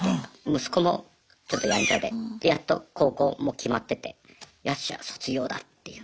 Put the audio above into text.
息子もちょっとやんちゃででやっと高校も決まっててよっしゃ卒業だっていう。